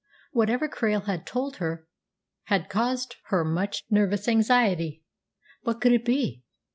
Whatever Krail had told her had caused her much nervous anxiety. What could it be?